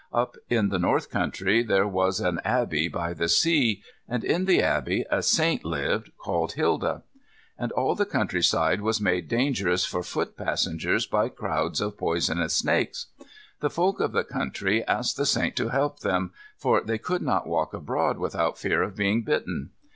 Up in the north country there was an abbey by the sea, and in the abbey a saint lived called Hilda. And all the countryside was made dangerous for foot passengers by crowds of poisonous snakes. The folk of the country asked the saint to help them; for they could not walk abroad without fear of being bitten.